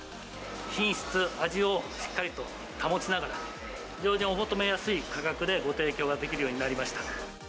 品質、味をしっかりと保ちながら、非常にお求めやすい価格で、ご提供ができるようになりました。